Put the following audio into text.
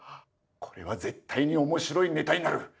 これは絶対に面白いネタになる！